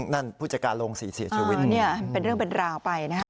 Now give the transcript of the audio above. ผู้จัดการโรงศรีเสียชีวิตเนี่ยเป็นเรื่องเป็นราวไปนะฮะ